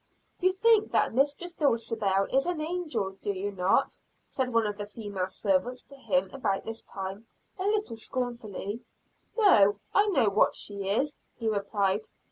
"You think that Mistress Dulcibel is an angel, do you not?" said one of the female servants to him about this time, a little scornfully. "No, I know what she is," he replied.